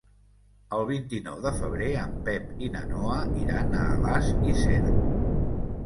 El vint-i-nou de febrer en Pep i na Noa iran a Alàs i Cerc.